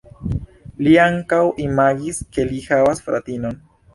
Li ankaŭ imagis ke li havas fratinon.